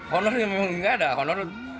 honor ini memang tidak ada